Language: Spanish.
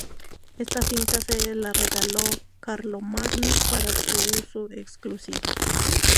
Esta finca se la regaló Carlomagno para su uso exclusivo.